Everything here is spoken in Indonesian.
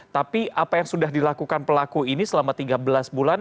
tapi apa yang sudah dilakukan pelaku ini selama tiga belas bulan